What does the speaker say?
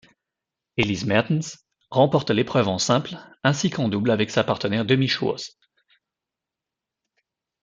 Elise Mertens remporte l'épreuve en simple, ainsi qu'en double avec sa partenaire Demi Schuurs.